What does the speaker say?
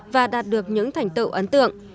và đạt được những thành tựu ấn tượng